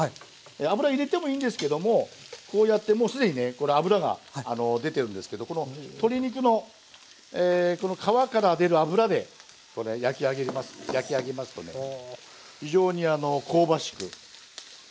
油入れてもいいんですけどもこうやってもう既にねこの脂が出てるんですけどこの鶏肉の皮から出る脂で焼き上げますとね非常に香ばしく焼き色がつきます。